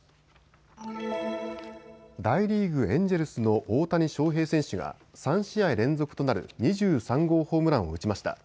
大リーグ、エンジェルスの大谷翔平選手が３試合連続となる２３号ホームランを打ちました。